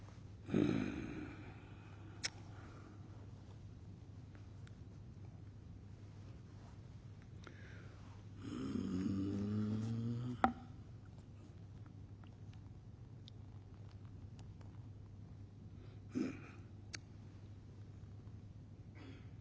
「うんうん」。